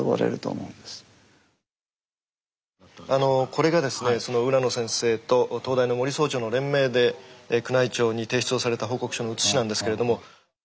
これがですねその浦野先生と東大の森総長の連名で宮内庁に提出をされた報告書の写しなんですけれども。